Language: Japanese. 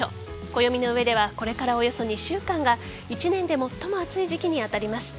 暦の上ではこれからおよそ２週間が１年で最も暑い時期に当たります。